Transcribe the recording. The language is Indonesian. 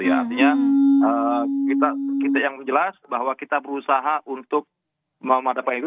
artinya yang jelas bahwa kita berusaha untuk memadapai itu